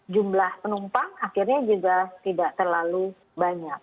jumlah penumpang akhirnya juga tidak terlalu banyak